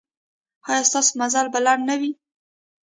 ایا ستاسو مزل به لنډ نه وي؟